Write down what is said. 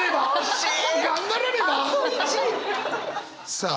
さあ